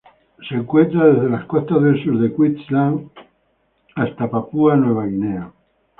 Se encuentran desde las costas del sur de Queensland hasta Papúa Nueva Guinea.